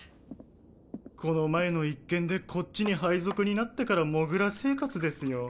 この前の一件でこっちに配属になってからモグラ生活ですよ。